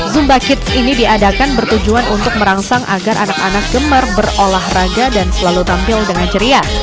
zumba kids ini diadakan bertujuan untuk merangsang agar anak anak gemar berolahraga dan selalu tampil dengan ceria